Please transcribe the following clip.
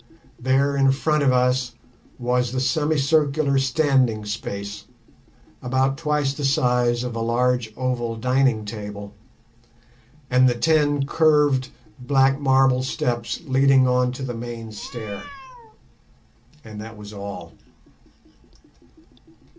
There in front of us was the semicircular standing space, about twice the size of a large oval dining table, and the ten curved black marble steps leading on to the main stair—and that was all.